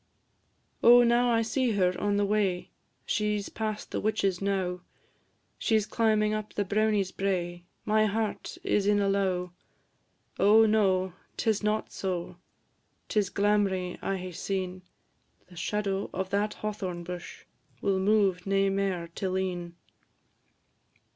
O now I see her on the way! She 's past the witch's knowe; She 's climbing up the brownie's brae My heart is in a lowe. Oh, no! 'tis not so, 'Tis glamrie I hae seen; The shadow o' that hawthorn bush Will move nae mair till e'en.